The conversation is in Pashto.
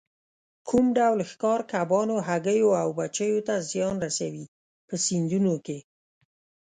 کوم ډول ښکار کبانو، هګیو او بچیو ته زیان رسوي په سیندونو کې.